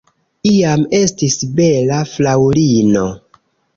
Iam estis bela fraŭlino.